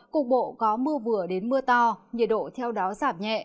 cục bộ có mưa vừa đến mưa to nhiệt độ theo đó giảm nhẹ